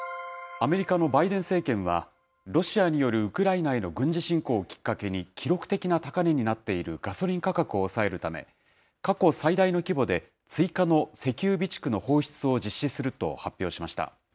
アメリカのバイデン政権は、ロシアによるウクライナへの軍事侵攻をきっかけに、記録的な高値になっているガソリン価格を抑えるため、過去最大の規模で追加の石油備蓄の放出を実施すると発表しま